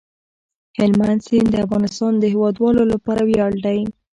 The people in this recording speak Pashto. هلمند سیند د افغانستان د هیوادوالو لپاره ویاړ دی.